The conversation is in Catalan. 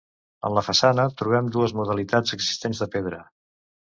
En la façana trobem dues modalitats existents de pedra.